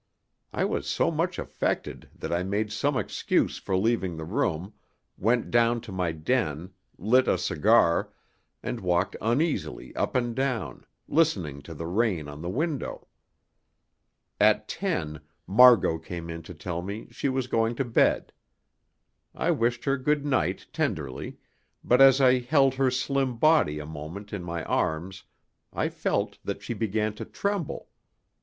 I was so much affected that I made some excuse for leaving the room, went down to my den, lit a cigar, and walked uneasily up and down, listening to the rain on the window. At ten Margot came in to tell me she was going to bed. I wished her good night tenderly, but as I held her slim body a moment in my arms I felt that she began to tremble.